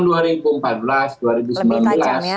lebih tajam ya